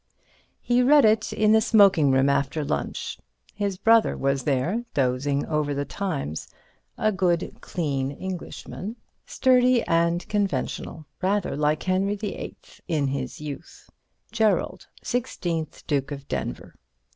He read it in the smoking room after lunch. His brother was there, dozing over the Times—a good, clean Englishman, sturdy and conventional, rather like Henry VIII in his youth; Gerald, sixteenth Duke of Denver.